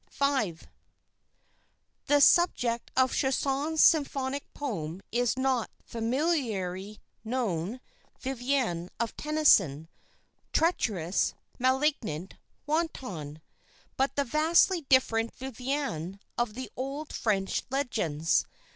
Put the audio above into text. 5 The subject of Chausson's symphonic poem is not the familiarly known Vivien of Tennyson "treacherous, malignant, wanton" but the vastly different Viviane of the old French legends.